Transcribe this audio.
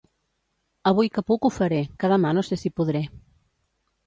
Avui que puc ho faré, que demà no sé si podré.